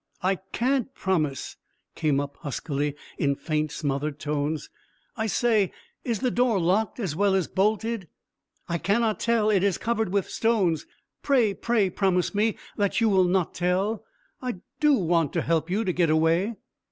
"I can't promise," came up huskily, in faint smothered tones. "I say, is the door locked as well as bolted?" "I cannot tell; it is covered with stones. Pray, pray promise me that you will not tell. I do want to help you to get away."